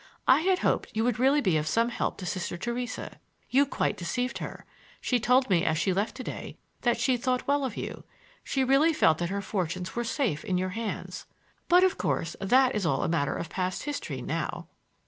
I had hoped you would really be of some help to Sister Theresa; you quite deceived her,—she told me as she left to day that she thought well of you, —she really felt that her fortunes were safe in your hands. But, of course, that is all a matter of past history now."